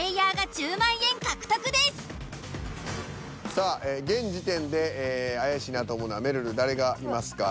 さあ現時点で怪しいなと思うのはめるる誰がいますか？